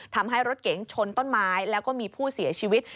ทำให้รถเก๋งชนต้นไม้แล้วก็มีผู้เสียชีวิต